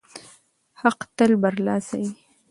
حق تل برلاسی وي.